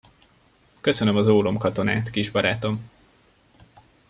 Köszönöm az ólomkatonát, kis barátom!